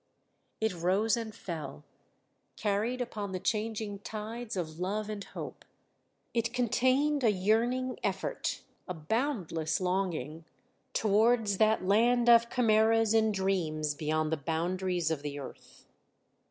It rose and fell, carried upon the changing tides of love and hope; it contained a yearning effort, a boundless longing, towards that land of chimeras and dreams beyond the boundaries of the earth.